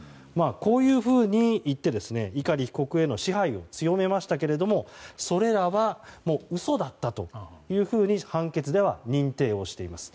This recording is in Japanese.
こういうふうに言って碇被告への支配を強めましたけれどもそれらは嘘だったというふうに判決では認定をしています。